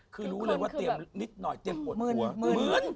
คือรู้เลยว่าเตรียมนิดหน่อยเจ็บหดหัว